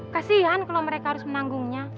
kasian kalau mereka harus menanggungnya